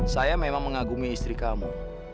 saya memang mengagumi istri kamu